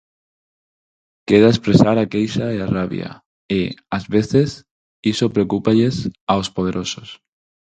Queda expresar a queixa e a rabia e, ás veces, iso preocúpalles aos poderosos.